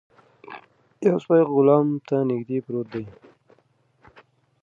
یو سپی غلام ته نږدې پروت دی.